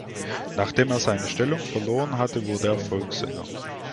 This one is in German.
Nachdem er seine Stellung verloren hatte, wurde er Volkssänger.